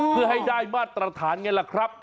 เพื่อให้ได้มาตรฐานไงล่ะครับ